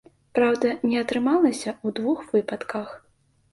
Праўда, не атрымалася ў двух выпадках.